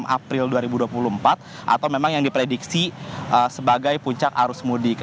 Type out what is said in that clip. enam april dua ribu dua puluh empat atau memang yang diprediksi sebagai puncak arus mudik